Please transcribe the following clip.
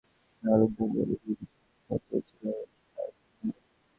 মিলানের হয়ে মাঝে মধ্যেই পুরোনো ঝলক দেখা গেলেও দুটো শত্রু ছিল ছায়াসঙ্গী হয়ে।